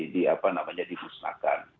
di apa namanya dihusnakan